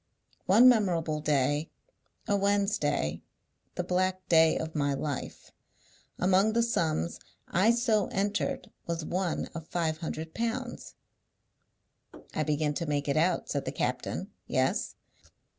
One memorable day, a Wednesday, the black day of my life, among the sums I so entered was one of five hundred pounds." "I begin to make it out," said the captain. "Yes?"